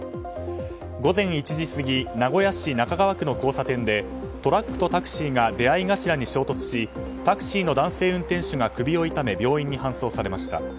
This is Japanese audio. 午前１時過ぎ名古屋市中川区の交差点でトラックとタクシーが出合い頭に衝突しタクシーの男性運転手が首を痛め、病院に搬送されました。